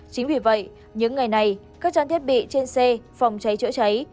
chính vì vậy những ngày này các trang thiết bị trên xe phòng cháy chữa cháy